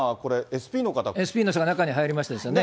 ＳＰの人が中に入りましたよね。